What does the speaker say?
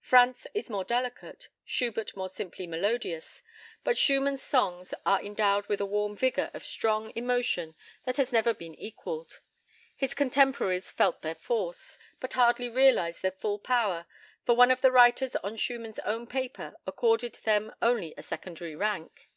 Franz is more delicate, Schubert more simply melodious, but Schumann's songs are endowed with a warm vigour of strong emotion that has never been equalled. His contemporaries felt their force, but hardly realized their full power, for one of the writers on Schumann's own paper accorded them only a secondary rank.